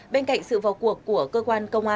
bên cạnh sự vào cuộc của cơ quan công an